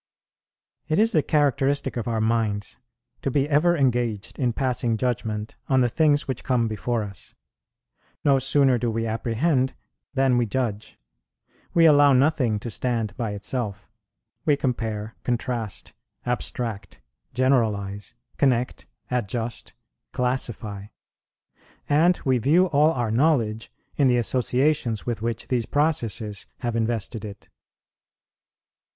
It is the characteristic of our minds to be ever engaged in passing judgment on the things which come before us. No sooner do we apprehend than we judge: we allow nothing to stand by itself: we compare, contrast, abstract, generalize, connect, adjust, classify: and we view all our knowledge in the associations with which these processes have invested it.